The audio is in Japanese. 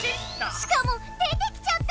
しかも出てきちゃった！